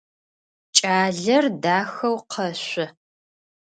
Кӏалэр дахэу къэшъо.